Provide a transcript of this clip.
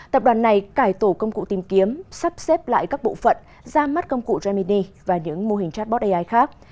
tập đoàn này cải tổ công cụ tìm kiếm sắp xếp lại các bộ phận ra mắt công cụ gemini và những mô hình chatbot ai khác